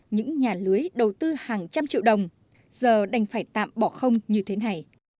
những nhà lưới đầu tư hàng trăm triệu đồng giờ đành phải tạm bỏ không như thế này